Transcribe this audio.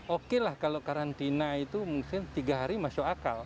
oke lah kalau karantina itu mungkin tiga hari masuk akal